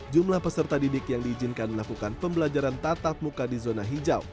jumlah peserta didik yang diizinkan melakukan pembelajaran tatap muka di zona hijau